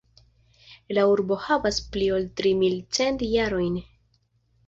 La urbo havas pli ol tri mil cent jarojn.